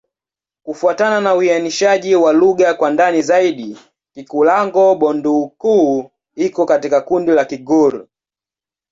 Kufuatana na uainishaji wa lugha kwa ndani zaidi, Kikulango-Bondoukou iko katika kundi la Kigur.